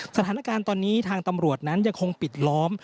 สถานการณ์ตอนนี้ทางตำรวจนั้นยังคงปิดล้อม